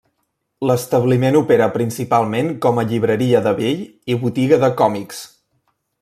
L'establiment opera principalment com a llibreria de vell i botiga de còmics.